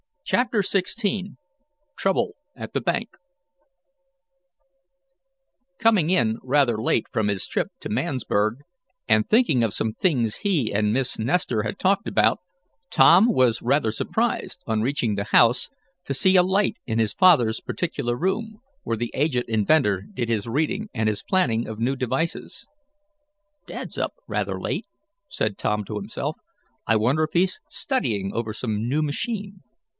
CHAPTER XVI TROUBLE AT THE BANK Coming in rather late from his trip to Mansburg, and thinking of some things he and Miss Nestor had talked about, Tom was rather surprised, on reaching the house, to see a light in his father's particular room, where the aged inventor did his reading and his planning of new devices. "Dad's up rather late," said Tom to himself. "I wonder if he's studying over some new machine."